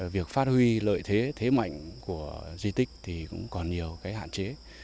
việc phát huy lợi thế thế mạnh của di tích thì cũng còn nhiều cái hạn chế